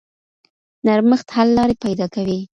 نرمښت حل لارې پیدا کوي.